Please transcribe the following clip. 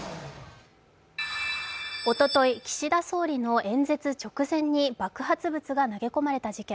おととい岸田総理の演説直前に爆発物が投げ込まれた事件。